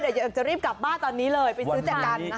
เดี๋ยวจะรีบกลับบ้านตอนนี้เลยไปซื้อแจกัน